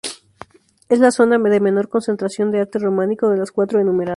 Es la zona de menor concentración de arte románico de las cuatro enumeradas.